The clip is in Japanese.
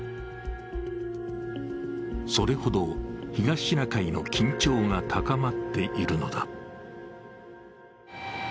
それほど東シナ海の緊張が高まっているのだ。